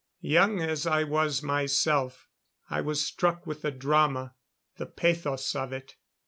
Young as I was myself, I was struck with the drama, the pathos of it.